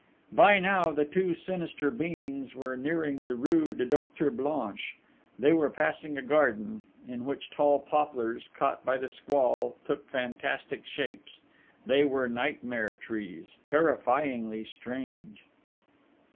By now, the two sinister beings were nearing the rue du Docteur Blanche. They were passing a garden, in which tall poplars, caught by the squall, took fantastic shapes: they were nightmare trees, terrifyingly strange.